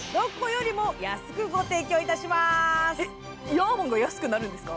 ヤーマンが安くなるんですか？